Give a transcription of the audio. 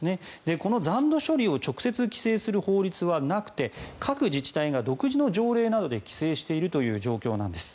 この残土処理を直接規制する法律はなくて各自治体が独自の条例などで規制しているという状況なんです。